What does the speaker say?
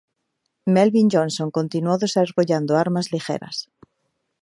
Melvin Johnson continuó desarrollando armas ligeras.